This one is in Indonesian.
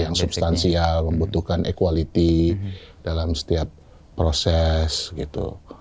yang substansial membutuhkan equality dalam setiap proses gitu